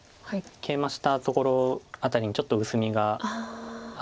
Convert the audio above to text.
ケイマしたところ辺りにちょっと薄みがあるので。